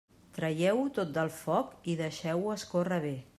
Traieu-ho tot del foc i deixeu-ho escórrer bé.